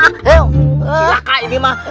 silahkan ini mah